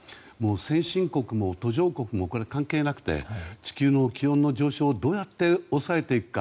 先進国も途上国も関係なくて地球の気温の状況をどうやって抑えていくか